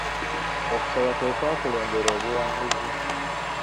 Okusaba kwe kukulembera obuwanguzi.